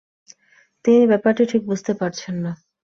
তিনি ব্যাপরটি ঠিক বুঝতে পারছেন না।